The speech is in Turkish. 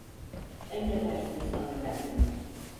Emredersiniz hanımefendi.